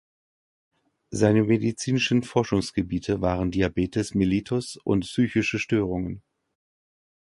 Seine medizinischen Forschungsgebiete waren Diabetes mellitus und psychische Störungen.